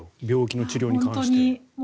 病気の治療に関して。